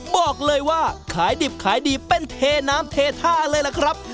บอกเลยว่าขายดิบขายดีเป็นเทน้ำเทท่าเลยล่ะครับ